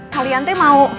kalian tuh mau